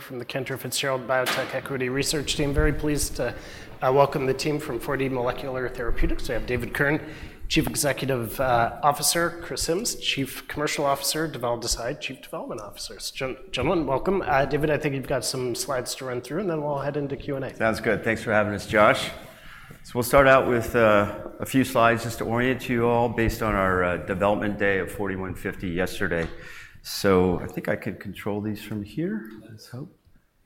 From the Cantor Fitzgerald Biotech Equity Research Team. Very pleased to welcome the team from 4D Molecular Therapeutics. We have David Kirn, Chief Executive Officer, Chris Simms, Chief Commercial Officer, Dhaval Desai, Chief Development Officer. Gentlemen, welcome. David, I think you've got some slides to run through, and then we'll head into Q&A. Sounds good. Thanks for having us, Josh. So we'll start out with a few slides just to orient you all based on our Development Day of 4D-150 yesterday. So I think I can control these from here. Let's hope.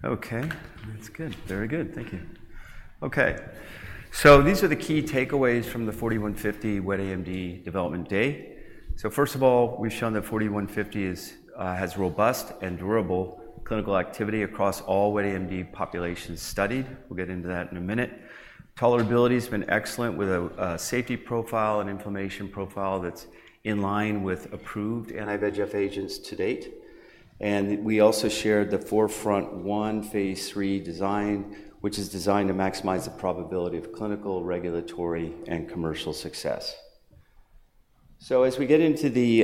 Okay, that's good. Very good. Thank you. Okay, so these are the key takeaways from the 4D-150 wet AMD development day. So first of all, we've shown that 4D-150 has robust and durable clinical activity across all wet AMD populations studied. We'll get into that in a minute. Tolerability has been excellent, with a safety profile and inflammation profile that's in line with approved anti-VEGF agents to date. And we also shared the 4FRONT-1 phase III design, which is designed to maximize the probability of clinical, regulatory, and commercial success. So as we get into the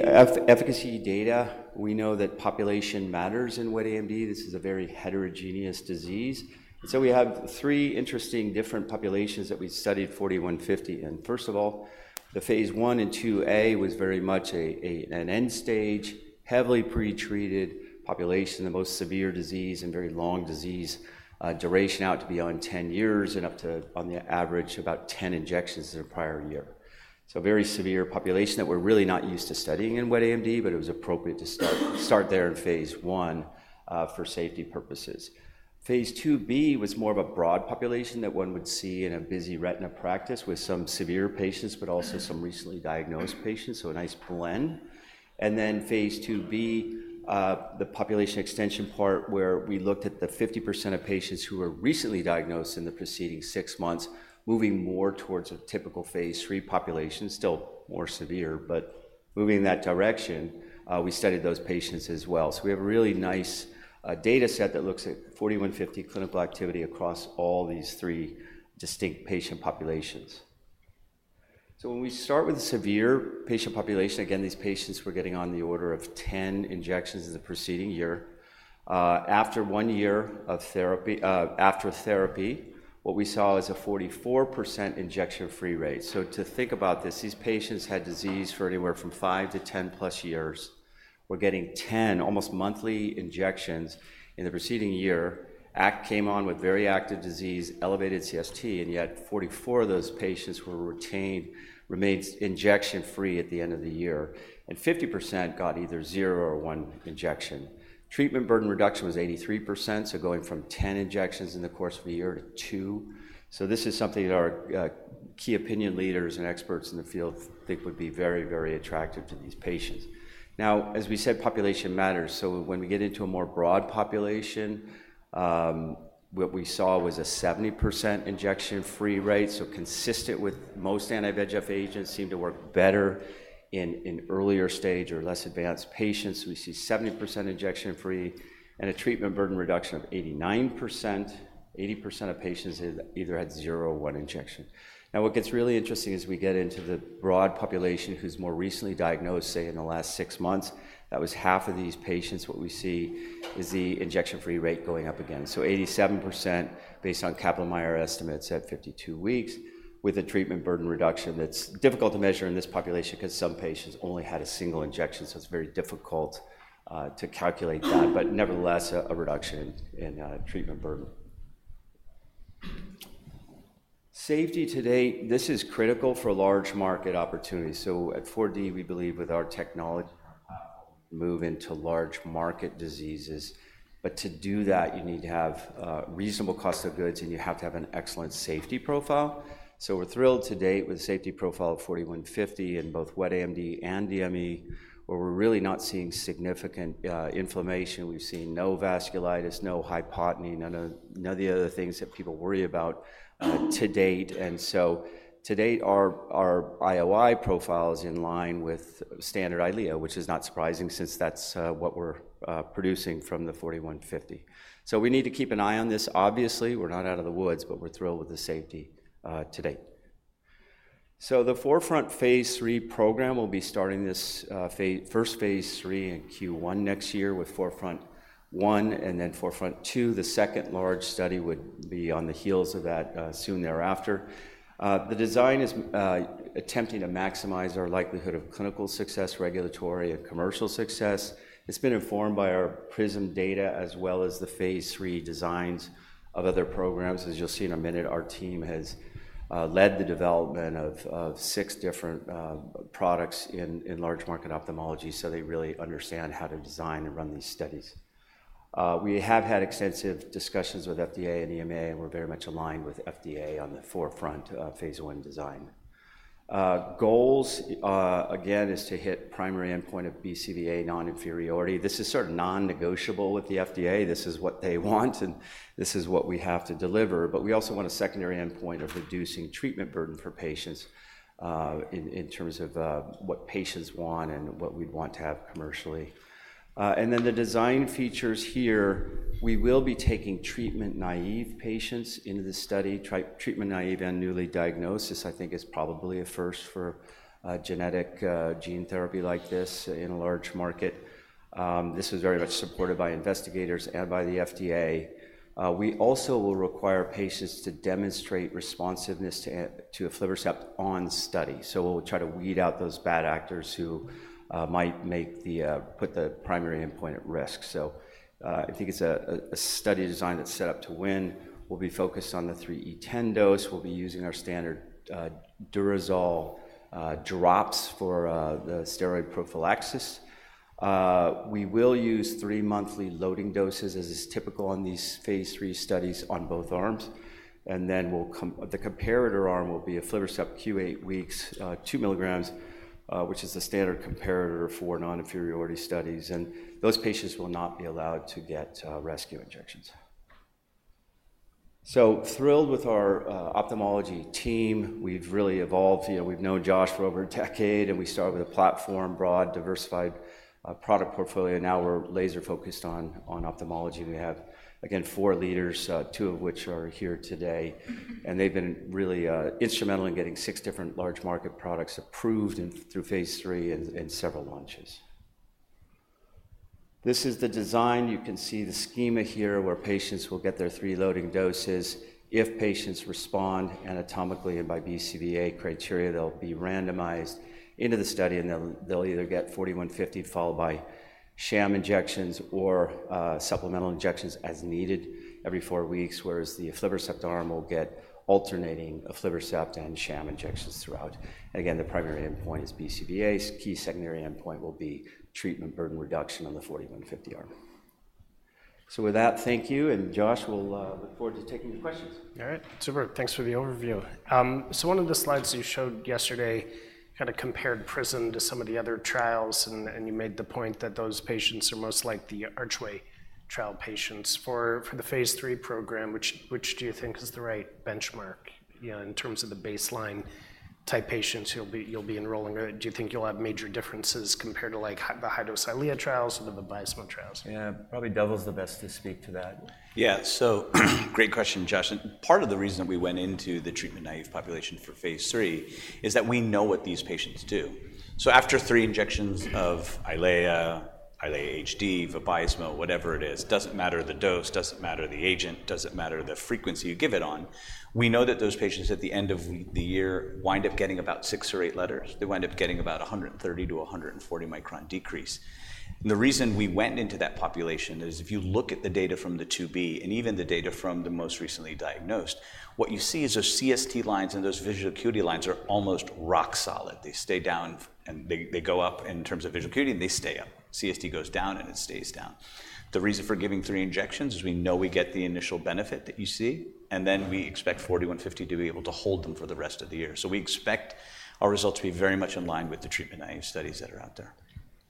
efficacy data, we know that population matters in wet AMD. This is a very heterogeneous disease, and so we have three interesting different populations that we studied 4D-150 in. First of all, the phase I and II-A was very much a an end stage, heavily pretreated population, the most severe disease and very long disease duration out to beyond 10 years and up to, on the average, about 10 injections in a prior year. So a very severe population that we're really not used to studying in wet AMD, but it was appropriate to start there in phase I for safety purposes. Phase II-B was more of a broad population that one would see in a busy retina practice with some severe patients, but also some recently diagnosed patients, so a nice blend. Phase II-B, the population extension part, where we looked at the 50% of patients who were recently diagnosed in the preceding six months, moving more towards a typical phase III population, still more severe, but moving in that direction, we studied those patients as well. So we have a really nice data set that looks at 4D-150 clinical activity across all these 3 distinct patient populations. So when we start with the severe patient population, again, these patients were getting on the order of 10 injections in the preceding year. After one year of therapy, what we saw is a 44% injection-free rate. So to think about this, these patients had disease for anywhere from 5 to 10+ years. We're getting 10, almost monthly injections in the preceding year. Patients came on with very active disease, elevated CST, and yet 44% of those patients were retained, remained injection-free at the end of the year, and 50% got either zero or one injection. Treatment burden reduction was 83%, so going from 10 injections in the course of a year to two. This is something that our key opinion leaders and experts in the field think would be very, very attractive to these patients. Now, as we said, population matters. When we get into a more broad population, what we saw was a 70% injection-free rate, so consistent with most anti-VEGF agents seem to work better in earlier stage or less advanced patients. We see 70% injection-free and a treatment burden reduction of 89%. 80% of patients either had zero or one injection. Now, what gets really interesting is we get into the broad population who's more recently diagnosed, say, in the last six months. That was half of these patients. What we see is the injection-free rate going up again. So 87%, based on Kaplan-Meier estimates at 52 weeks, with a treatment burden reduction that's difficult to measure in this population because some patients only had a single injection, so it's very difficult to calculate that, but nevertheless, a reduction in treatment burden. Safety to date, this is critical for large market opportunities. So at 4D, we believe with our technology, move into large market diseases, but to do that, you need to have a reasonable cost of goods, and you have to have an excellent safety profile. We're thrilled to date with the safety profile of 4D-150 in both wet AMD and DME, where we're really not seeing significant inflammation. We've seen no vasculitis, no hypotony, none of, none of the other things that people worry about to date. And so to date, our IOI profile is in line with standard Eylea, which is not surprising since that's what we're producing from the 4D-150. So we need to keep an eye on this. Obviously, we're not out of the woods, but we're thrilled with the safety to date. So the 4FRONT phase III program will be starting this first phase III in Q1 next year with 4FRONT-1 and then 4FRONT-2. The second large study would be on the heels of that soon thereafter. The design is attempting to maximize our likelihood of clinical success, regulatory, and commercial success. It's been informed by our PRISM data, as well as the phase III designs of other programs. As you'll see in a minute, our team has led the development of six different products in large market ophthalmology, so they really understand how to design and run these studies. We have had extensive discussions with FDA and EMA, and we're very much aligned with FDA on the 4FRONT phase III design. Goals again is to hit primary endpoint of BCVA non-inferiority. This is sort of non-negotiable with the FDA. This is what they want, and this is what we have to deliver, but we also want a secondary endpoint of reducing treatment burden for patients, in terms of what patients want and what we'd want to have commercially, and then the design features here, we will be taking treatment-naive patients into the study. Treatment-naive and newly diagnosed, this, I think, is probably a first for a genetic gene therapy like this in a large market. This is very much supported by investigators and by the FDA. We also will require patients to demonstrate responsiveness to aflibercept on study, so we'll try to weed out those bad actors who might put the primary endpoint at risk, so I think it's a study design that's set up to win. We'll be focused on the 3E10 dose. We'll be using our standard Durezol drops for the steroid prophylaxis. We will use three monthly loading doses, as is typical on these phase III studies on both arms, and then the comparator arm will be aflibercept Q8 weeks, 2 mg, which is the standard comparator for non-inferiority studies, and those patients will not be allowed to get rescue injections. So thrilled with our ophthalmology team. We've really evolved. You know, we've known Josh for over a decade, and we started with a platform, broad, diversified product portfolio. Now we're laser focused on ophthalmology. We have, again, four leaders, two of which are here today, and they've been really instrumental in getting six different large market products approved and through phase III and several launches. This is the design. You can see the schema here, where patients will get their three loading doses. If patients respond anatomically and by BCVA criteria, they'll be randomized into the study, and they'll either get 4D-150, followed by sham injections or supplemental injections as needed every four weeks, whereas the aflibercept arm will get alternating aflibercept and sham injections throughout. Again, the primary endpoint is BCVA. Key secondary endpoint will be treatment burden reduction on the 4D-150 arm. So with that, thank you, and Josh, we'll look forward to taking the questions. All right. Super. Thanks for the overview. So one of the slides you showed yesterday kind of compared PRISM to some of the other trials, and you made the point that those patients are most like the ARCHWAY trial patients. For the phase III program, which do you think is the right benchmark, you know, in terms of the baseline-type patients you'll be enrolling? Or do you think you'll have major differences compared to, like, the high-dose Eylea trials or the Vabysmo trials? Yeah. Probably Dhaval's the best to speak to that. Yeah, so great question, Josh, and part of the reason that we went into the treatment-naive population for phase 3 is that we know what these patients do. After three injections of Eylea, Eylea HD, Vabysmo, whatever it is, doesn't matter the dose, doesn't matter the agent, doesn't matter the frequency you give it on, we know that those patients, at the end of the year, wind up getting about six or eight letters. They wind up getting about 130-140 micron decrease. And the reason we went into that population is if you look at the data from the 2B and even the data from the most recently diagnosed, what you see is those CST lines and those visual acuity lines are almost rock solid. They stay down, and they go up in terms of visual acuity, and they stay up. CST goes down, and it stays down. The reason for giving three injections is we know we get the initial benefit that you see, and then we expect 4D-150 to be able to hold them for the rest of the year. So we expect our results to be very much in line with the treatment-naive studies that are out there.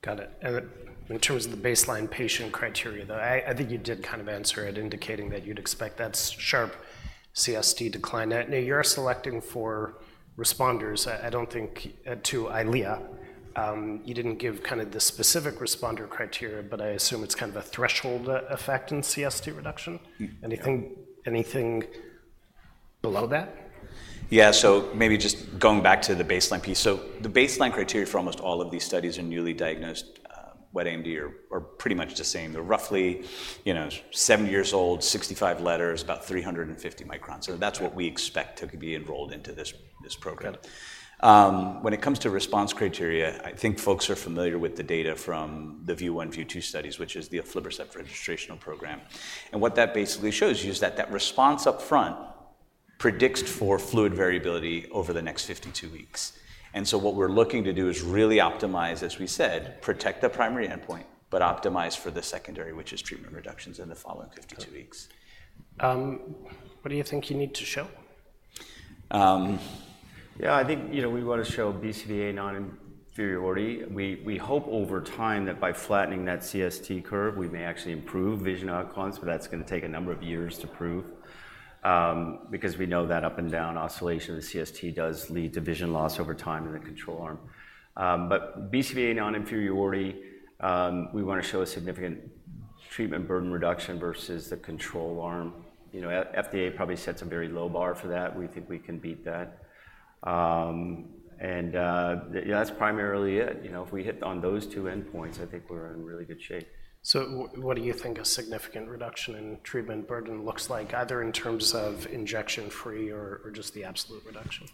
Got it. And in terms of the baseline patient criteria, though, I think you did kind of answer it, indicating that you'd expect that sharp CST decline. Now, you're selecting for responders. I don't think to Eylea. You didn't give kind of the specific responder criteria, but I assume it's kind of a threshold effect in CST reduction? Mm-hmm. Yeah. Anything, anything below that? Yeah, so maybe just going back to the baseline piece. So the baseline criteria for almost all of these studies in newly diagnosed wet AMD are pretty much the same. They're roughly, you know, 70 years old, 65 letters, about 350 microns. Yeah. So that's what we expect to be enrolled into this program. Got it. When it comes to response criteria, I think folks are familiar with the data from the VIEW 1, VIEW 2 studies, which is the aflibercept registrational program. What that basically shows you is that that response up front predicts for fluid variability over the next 52 weeks. What we're looking to do is really optimize, as we said, protect the primary endpoint, but optimize for the secondary, which is treatment reductions in the following 52 weeks. Okay. What do you think you need to show? Um... Yeah, I think, you know, we want to show BCVA non-inferiority. We, we hope over time that by flattening that CST curve, we may actually improve vision outcomes, but that's going to take a number of years to prove, because we know that up and down oscillation of the CST does lead to vision loss over time in the control arm. But BCVA non-inferiority, we want to show a significant treatment burden reduction versus the control arm. You know, FDA probably sets a very low bar for that. We think we can beat that. And, yeah, that's primarily it. You know, if we hit on those two endpoints, I think we're in really good shape. So what do you think a significant reduction in treatment burden looks like, either in terms of injection free or just the absolute reduction?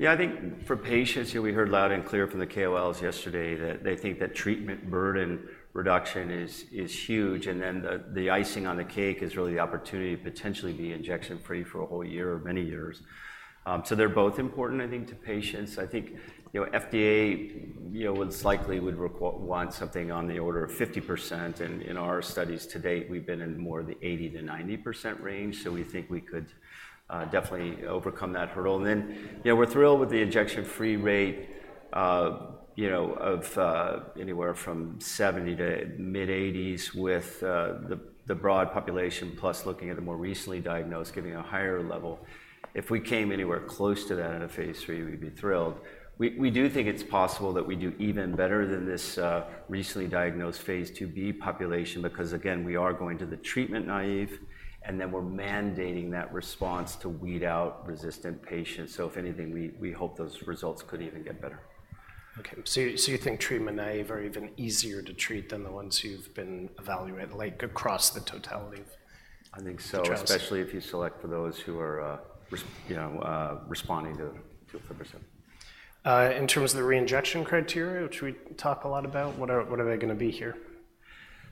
Yeah, I think for patients, you know, we heard loud and clear from the KOLs yesterday that they think that treatment burden reduction is huge, and then the icing on the cake is really the opportunity to potentially be injection-free for a whole year or many years. So they're both important, I think, to patients. I think, you know, FDA would likely want something on the order of 50%, and in our studies to date, we've been in more of the 80%-90% range, so we think we could definitely overcome that hurdle. And then, you know, we're thrilled with the injection-free rate, you know, of anywhere from 70% to mid-80s with the broad population, plus looking at the more recently diagnosed, giving a higher level. If we came anywhere close to that in a phase III, we'd be thrilled. We do think it's possible that we do even better than this recently diagnosed phase II-B population, because again, we are going to the treatment-naive, and then we're mandating that response to weed out resistant patients. So if anything, we hope those results could even get better. Okay, so you think treatment-naive are even easier to treat than the ones who've been evaluated, like, across the totality? I think so. The trials Especially if you select for those who are, you know, responding to aflibercept. In terms of the reinjection criteria, which we talk a lot about, what are they going to be here?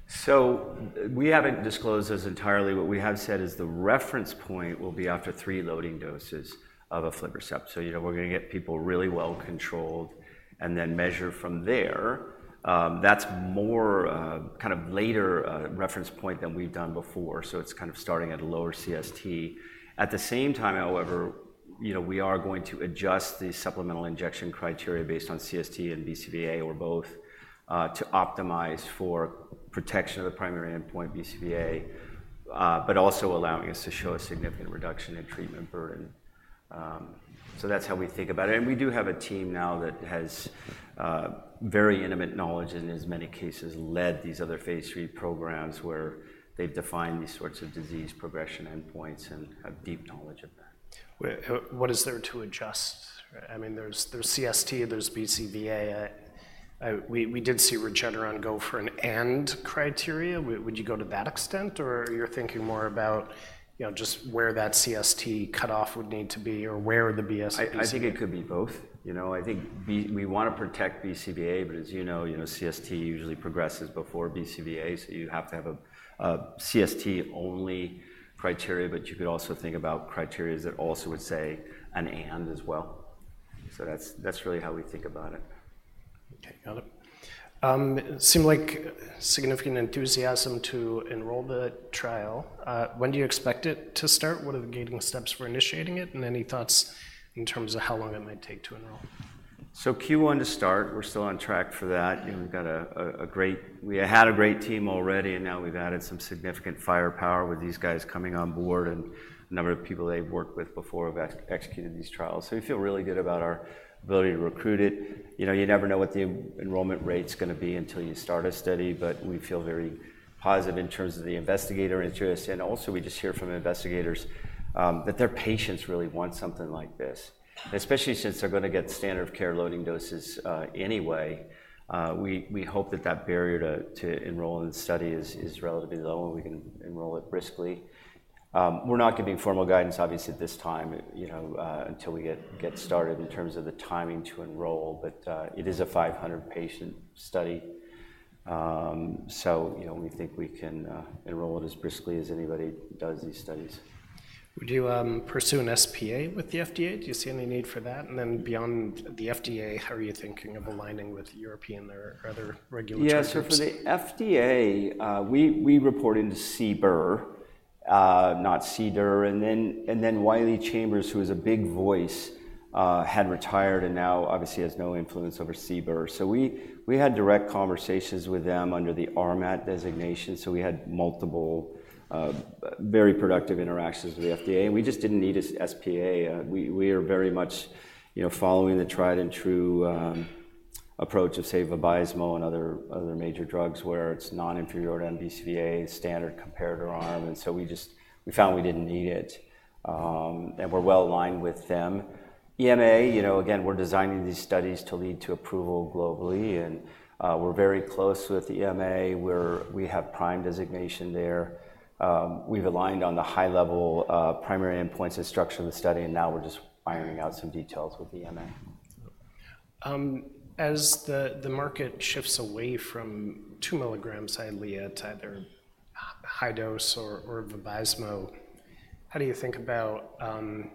So, we haven't disclosed this entirely. What we have said is the reference point will be after three loading doses of aflibercept. So, you know, we're gonna get people really well controlled and then measure from there. That's more, kind of later, reference point than we've done before, so it's kind of starting at a lower CST. At the same time, however, you know, we are going to adjust the supplemental injection criteria based on CST and BCVA or both, to optimize for protection of the primary endpoint BCVA, but also allowing us to show a significant reduction in treatment burden. So that's how we think about it. We do have a team now that has very intimate knowledge, and in as many cases, led these other phase III programs, where they've defined these sorts of disease progression endpoints and have deep knowledge of that. What is there to adjust? I mean, there's CST, there's BCVA. We did see Regeneron go for an "and" criteria. Would you go to that extent, or you're thinking more about, you know, just where that CST cutoff would need to be or where the BCVA I think it could be both. You know, I think we want to protect BCVA, but as you know, you know, CST usually progresses before BCVA, so you have to have a CST-only criteria, but you could also think about criteria that also would say an "and" as well. So that's really how we think about it. Okay, got it. It seemed like significant enthusiasm to enroll the trial. When do you expect it to start? What are the gating steps for initiating it, and any thoughts in terms of how long it might take to enroll? So Q1 to start, we're still on track for that. You know, we've got a great team already, and now we've added some significant firepower with these guys coming on board, and a number of people they've worked with before have executed these trials. So we feel really good about our ability to recruit it. You know, you never know what the enrollment rate's gonna be until you start a study, but we feel very positive in terms of the investigator interest, and also, we just hear from investigators that their patients really want something like this. Especially since they're gonna get standard of care loading doses anyway, we hope that that barrier to enroll in the study is relatively low, and we can enroll it briskly. We're not giving formal guidance, obviously, at this time, you know, until we get started in terms of the timing to enroll, but it is a 500-patient study. So, you know, we think we can enroll it as briskly as anybody does these studies. Would you pursue an SPA with the FDA? Do you see any need for that? And then beyond the FDA, how are you thinking of aligning with European or other regulatory groups? Yeah, so for the FDA, we report into CBER, not CDER, and then Wiley Chambers, who was a big voice, had retired, and now obviously has no influence over CBER. So we had direct conversations with them under the RMAT designation, so we had multiple, very productive interactions with the FDA, and we just didn't need an SPA. We are very much, you know, following the tried and true approach of, say, Vabysmo and other major drugs, where it's non-inferior to BCVA standard comparator arm, and so we just found we didn't need it, and we're well aligned with them. EMA, you know, again, we're designing these studies to lead to approval globally, and we're very close with EMA, where we have PRIME designation there. We've aligned on the high level, primary endpoints and structure of the study, and now we're just ironing out some details with EMA. As the market shifts away from 2 mg Eylea to either high dose or Vabysmo, how do you think about,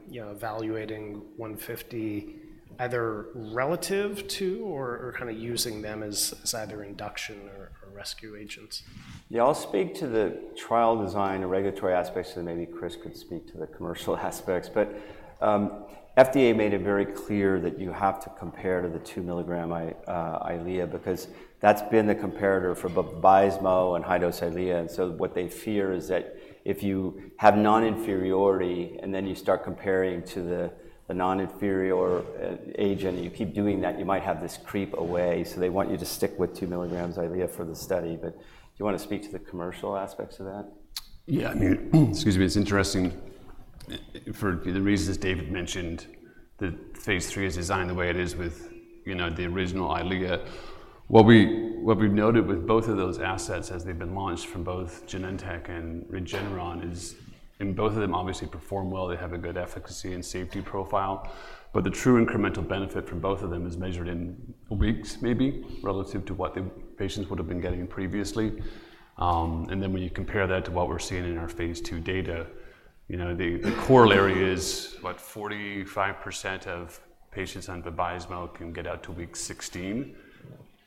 you know, evaluating 4D-150 either relative to or kind of using them as either induction or rescue agents? Yeah, I'll speak to the trial design and regulatory aspects, and maybe Chris could speak to the commercial aspects. But, FDA made it very clear that you have to compare to the 2 mg Eylea because that's been the comparator for Vabysmo and high-dose Eylea. And so what they fear is that if you have non-inferiority, and then you start comparing to the non-inferior agent, and you keep doing that, you might have this creep away. So they want you to stick with 2 mg Eylea for the study, but do you want to speak to the commercial aspects of that? Yeah, I mean, excuse me. It's interesting for the reasons David mentioned that phase III is designed the way it is with, you know, the original Eylea. What we, what we've noted with both of those assets as they've been launched from both Genentech and Regeneron is, and both of them obviously perform well. They have a good efficacy and safety profile, but the true incremental benefit from both of them is measured in weeks, maybe, relative to what the patients would have been getting previously. And then when you compare that to what we're seeing in our phase II data, you know, the corollary is what 45% of patients on the Vabysmo can get out to week 16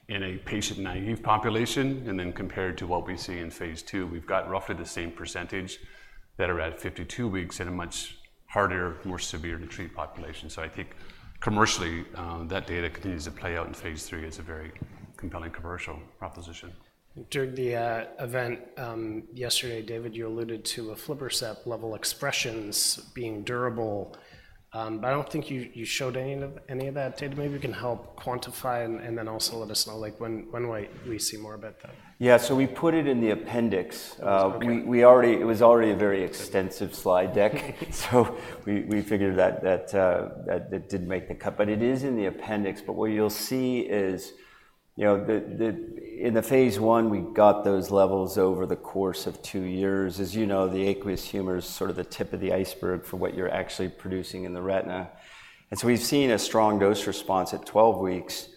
in a patient-naive population, and then compared to what we see in phase II, we've got roughly the same percentage that are at 52 weeks in a much harder, more severe-to-treat population. So I think commercially, that data continues to play out in phase III. It's a very compelling commercial proposition. During the event yesterday, David, you alluded to aflibercept level expressions being durable, but I don't think you showed any of that data. Maybe you can help quantify and then also let us know, like, when might we see more about that? Yeah, so we put it in the appendix. Okay. It was already a very extensive slide deck, so we figured that didn't make the cut, but it is in the appendix. But what you'll see is, you know, the in phase I, we got those levels over the course of two years. As you know, the aqueous humor is sort of the tip of the iceberg for what you're actually producing in the retina. And so we've seen a strong dose response at 12 weeks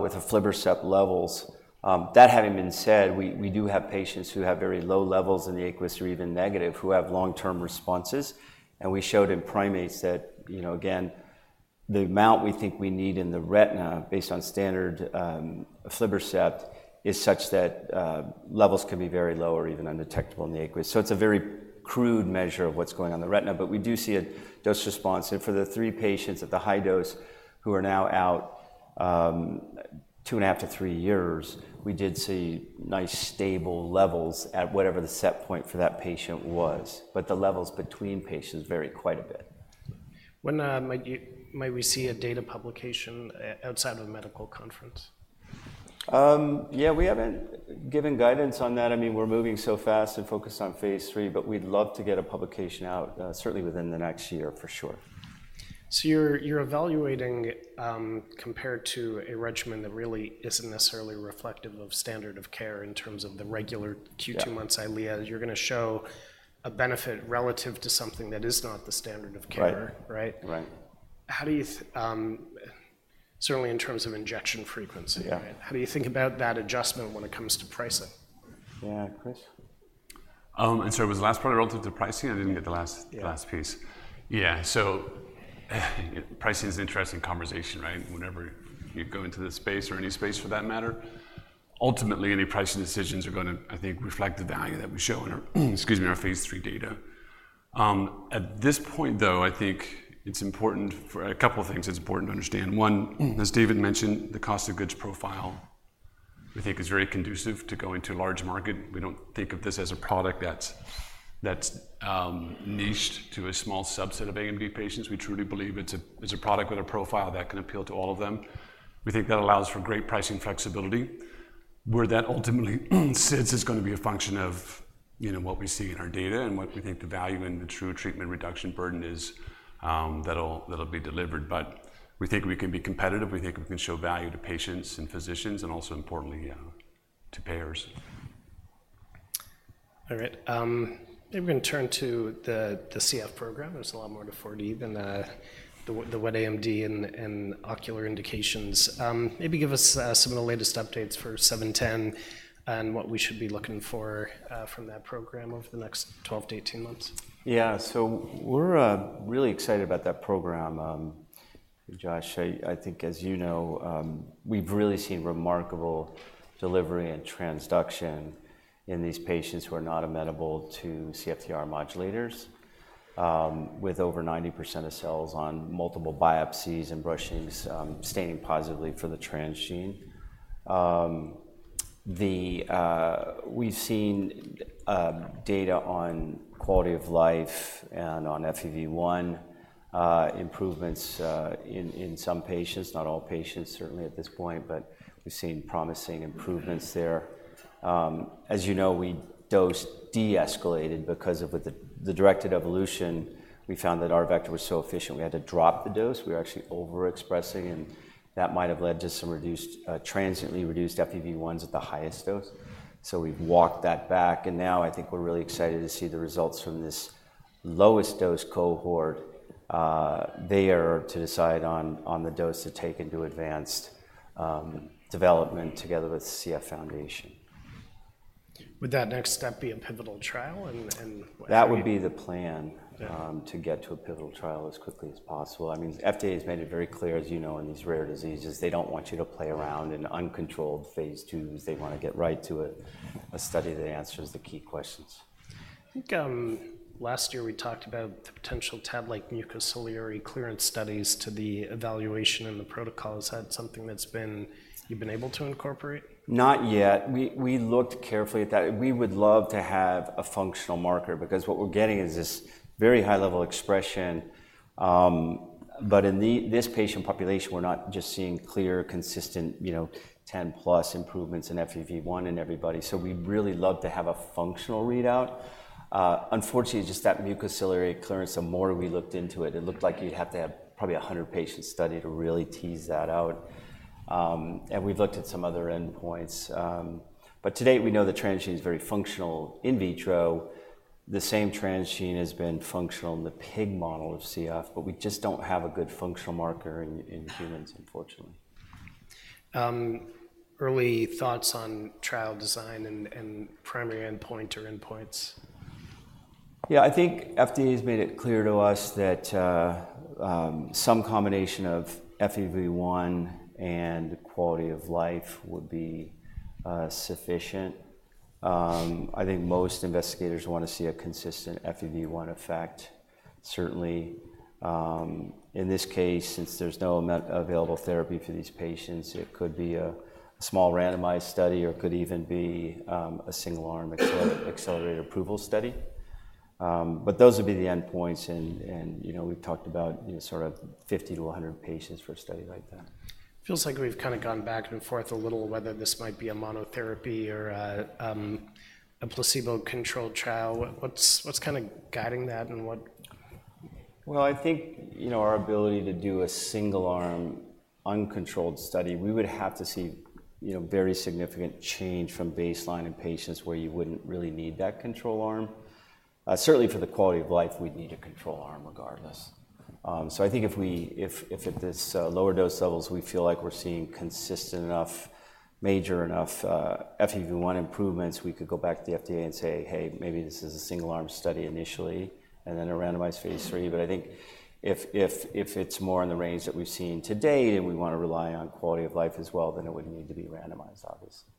with the aflibercept levels. That having been said, we do have patients who have very low levels in the aqueous, or even negative, who have long-term responses. And we showed in primates that, you know, again, the amount we think we need in the retina, based on standard, aflibercept, is such that, levels can be very low or even undetectable in the aqueous. So it's a very crude measure of what's going on in the retina, but we do see a dose response. And for the three patients at the high dose who are now out, two and a half to three years, we did see nice, stable levels at whatever the set point for that patient was. But the levels between patients vary quite a bit. When might we see a data publication outside of a medical conference? Yeah, we haven't given guidance on that. I mean, we're moving so fast and focused on phase III, but we'd love to get a publication out, certainly within the next year, for sure. You're evaluating compared to a regimen that really isn't necessarily reflective of standard of care in terms of the regular. Yeah Every two-month Eylea. You're gonna show a benefit relative to something that is not the standard of care- Right. Right? Right. How do you, certainly in terms of injection frequency- Yeah How do you think about that adjustment when it comes to pricing? Yeah, Chris? I'm sorry, was the last part relative to pricing? I didn't get the last. Yeah The last piece. Yeah, so pricing is an interesting conversation, right? Whenever you go into this space, or any space for that matter. Ultimately, any pricing decisions are gonna, I think, reflect the value that we show in our, excuse me, our phase III data. At this point, though, I think it's important for a couple of things, it's important to understand. One, as David mentioned, the cost of goods profile we think is very conducive to going to a large market. We don't think of this as a product that's niched to a small subset of AMD patients. We truly believe it's a product with a profile that can appeal to all of them. We think that allows for great pricing flexibility. Where that ultimately sits is gonna be a function of, you know, what we see in our data and what we think the value and the true treatment reduction burden is, that'll be delivered. But we think we can be competitive, we think we can show value to patients and physicians, and also, importantly, to payers. All right, maybe we can turn to the CF program. There's a lot more to forty than the wet AMD and ocular indications. Maybe give us some of the latest updates for 4D-710, and what we should be looking for from that program over the next 12 to 18 months. Yeah. So we're really excited about that program, Josh. I think, as you know, we've really seen remarkable delivery and transduction in these patients who are not amenable to CFTR modulators, with over 90% of cells on multiple biopsies and brushings staining positively for the transgene. We've seen data on quality of life and on FEV1 improvements in some patients, not all patients, certainly at this point, but we've seen promising improvements there. As you know, we dose de-escalated because of with the directed evolution, we found that our vector was so efficient, we had to drop the dose. We were actually overexpressing, and that might have led to some reduced, transiently reduced FEV1s at the highest dose. So we've walked that back, and now I think we're really excited to see the results from this lowest dose cohort there to decide on the dose to take into advanced development together with the CF Foundation. Would that next step be a pivotal trial, and? That would be the plan. Yeah To get to a pivotal trial as quickly as possible. I mean, the FDA has made it very clear, as you know, in these rare diseases, they don't want you to play around in uncontrolled phase II's. They want to get right to a study that answers the key questions. I think, last year we talked about the potential to have, like, mucociliary clearance studies to the evaluation and the protocols. Is that something you've been able to incorporate? Not yet. We looked carefully at that. We would love to have a functional marker, because what we're getting is this very high-level expression. But in this patient population, we're not just seeing clear, consistent, you know, 10+ improvements in FEV1 in everybody, so we'd really love to have a functional readout. Unfortunately, just that mucociliary clearance, the more we looked into it, it looked like you'd have to have probably a 100-patient study to really tease that out. And we've looked at some other endpoints. But to date, we know the transgene is very functional in vitro. The same transgene has been functional in the pig model of CF, but we just don't have a good functional marker in humans, unfortunately. Early thoughts on trial design and primary endpoint or endpoints? Yeah, I think FDA has made it clear to us that some combination of FEV1 and quality of life would be sufficient. I think most investigators want to see a consistent FEV1 effect. Certainly, in this case, since there's no available therapy for these patients, it could be a small randomized study or could even be a single-arm accelerated approval study. But those would be the endpoints, and you know, we've talked about you know, sort of 50 to 100 patients for a study like that. Feels like we've kind of gone back and forth a little, whether this might be a monotherapy or a placebo-controlled trial. What's kind of guiding that, and what. I think you know, our ability to do a single-arm, uncontrolled study. We would have to see very significant change from baseline in patients where you wouldn't really need that control arm. Certainly for the quality of life, we'd need a control arm regardless. So I think if at this lower dose levels, we feel like we're seeing consistent enough, major enough FEV1 improvements, we could go back to the FDA and say, hey, maybe this is a single-arm study initially, and then a randomized phase III. But I think if it's more in the range that we've seen to date, and we want to rely on quality of life as well, then it would need to be randomized, obviously.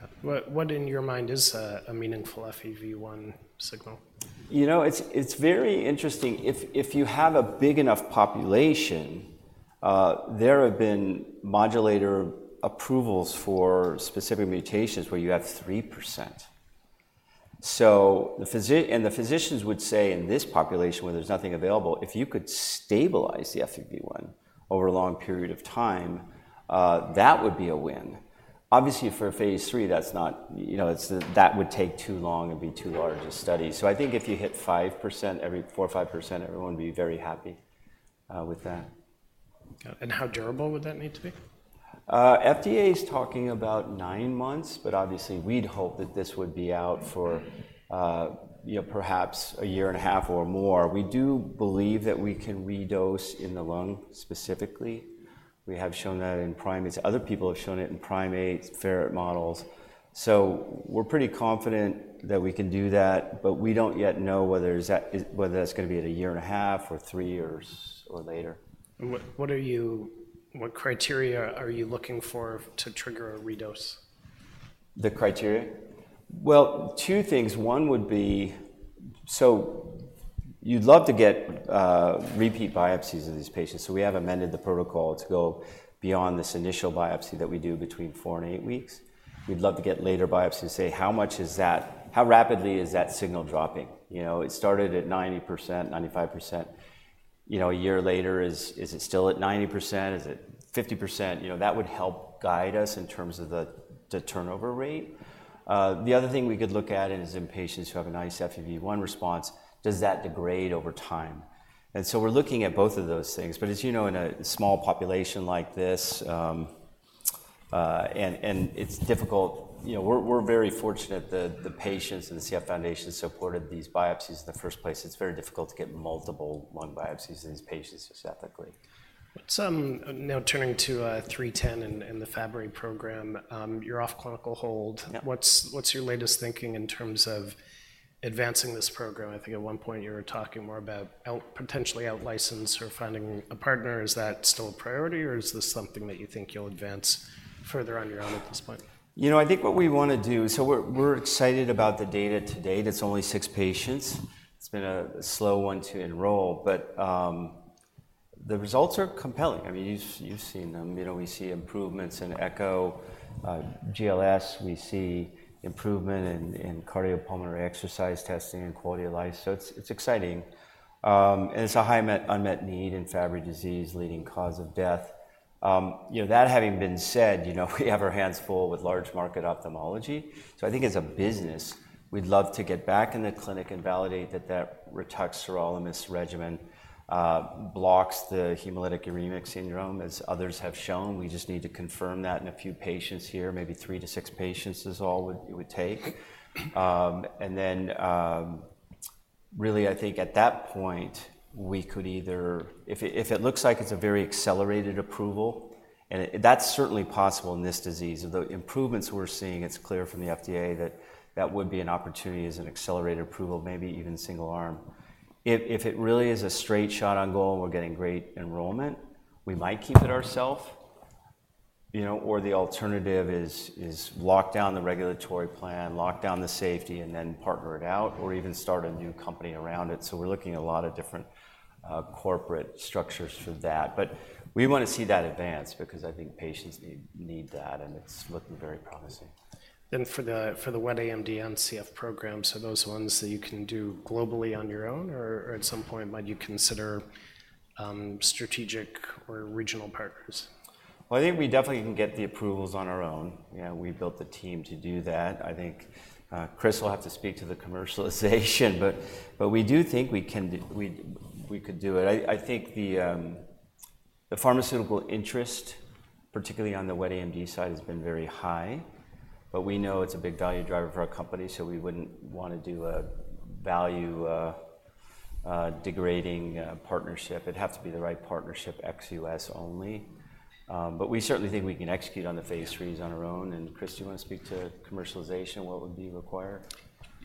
Got it. What in your mind is a meaningful FEV1 signal? You know, it's very interesting. If you have a big enough population, there have been modulator approvals for specific mutations where you have 3%. So the physicians would say in this population, where there's nothing available, if you could stabilize the FEV1 over a long period of time, that would be a win. Obviously, for a phase III, that's not, you know, it would take too long and be too large a study. So I think if you hit 5%, every 4% or 5%, everyone would be very happy with that. Got it. And how durable would that need to be? FDA is talking about nine months, but obviously, we'd hope that this would be out for, you know, perhaps a year and a half or more. We do believe that we can redose in the lung specifically. We have shown that in primates. Other people have shown it in primates, ferret models, so we're pretty confident that we can do that, but we don't yet know whether is that, whether that's gonna be at a year and a half, or three years, or later. What criteria are you looking for to trigger a redose? The criteria? Well, two things. One would be. So you'd love to get repeat biopsies of these patients, so we have amended the protocol to go beyond this initial biopsy that we do between four and eight weeks. We'd love to get later biopsies to say, how much is that? How rapidly is that signal dropping? You know, it started at 90%, 95%. You know, a year later, is it still at 90%? Is it 50%? You know, that would help guide us in terms of the turnover rate. The other thing we could look at is in patients who have a nice FEV1 response, does that degrade over time? And so we're looking at both of those things. But as you know, in a small population like this, and it's difficult. You know, we're very fortunate that the patients and the CF Foundation supported these biopsies in the first place. It's very difficult to get multiple lung biopsies in these patients, just ethically. Now turning to 4D-310 and the Fabry program, you're off clinical hold. Yeah. What's your latest thinking in terms of advancing this program? I think at one point you were talking more about potentially outlicense or finding a partner. Is that still a priority, or is this something that you think you'll advance further on your own at this point? You know, I think. So we're excited about the data to date. It's only six patients. It's been a slow one to enroll, but the results are compelling. I mean, you've seen them. You know, we see improvements in echo, GLS. We see improvement in cardiopulmonary exercise testing and quality of life, so it's exciting. And it's a high unmet need in Fabry disease, leading cause of death. You know, that having been said, you know, we have our hands full with large market ophthalmology. So I think as a business, we'd love to get back in the clinic and validate that rituximab sirolimus regimen blocks the hemolytic uremic syndrome, as others have shown. We just need to confirm that in a few patients here. Maybe three to six patients is all it would take, and then, really, I think at that point, we could either. If it looks like it's a very accelerated approval, and it. That's certainly possible in this disease. The improvements we're seeing, it's clear from the FDA that that would be an opportunity as an accelerated approval, maybe even single arm. If it really is a straight shot on goal and we're getting great enrollment, we might keep it ourselves, you know, or the alternative is lock down the regulatory plan, lock down the safety, and then partner it out, or even start a new company around it. So we're looking at a lot of different corporate structures for that, but we want to see that advance because I think patients need that, and it's looking very promising. Then for the wet AMD and CF programs, are those ones that you can do globally on your own, or at some point, might you consider strategic or regional partners? I think we definitely can get the approvals on our own. You know, we built the team to do that. I think Chris will have to speak to the commercialization, but we do think we can do. We could do it. I think the pharmaceutical interest, particularly on the wet AMD side, has been very high. But we know it's a big value driver for our company, so we wouldn't want to do a value degrading partnership. It'd have to be the right partnership, ex-U.S. only. But we certainly think we can execute on the phase III's on our own. And Chris, do you want to speak to commercialization? What would be required?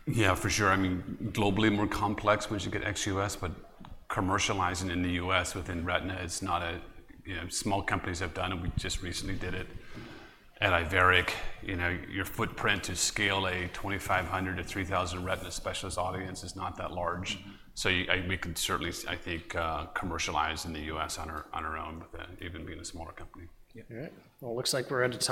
Yeah, for sure. I mean, globally more complex once you get ex-U.S., but commercializing in the U.S. within retina, it's not a, you know, small companies have done it, and we just recently did it at Iveric. You know, your footprint to scale a 2,500 to 3,000 retina specialist audience is not that large. So, we could certainly, I think, commercialize in the U.S. on our, on our own, with even being a smaller company. Yeah. All right. Well, looks like we're out of time.